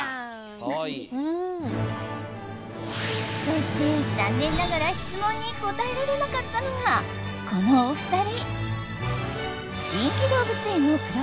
そして残念ながら質問に答えられなかったのがこのお二人。